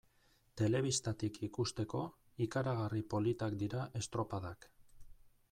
Telebistatik ikusteko, ikaragarri politak dira estropadak.